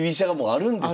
あるんです。